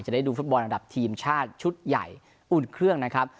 ได้ดูฟุตบอลอันดับทีมชาติชุดใหญ่อุ่นเครื่องนะครับ